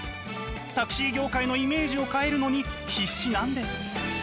タクシー業界のイメージを変えるのに必死なんです。